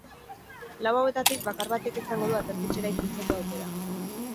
Lau hauetatik bakar batek izango du aterpetxera itzultzeko aukera.